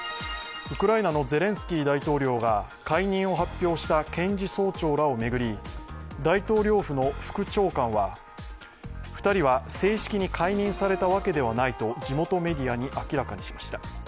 ウクライナのゼレンスキー大統領が解任を発表した検事総長らを巡り、大統領府の副長官は、２人は正式に解任されたわけではないと地元メディアに明らかにしました。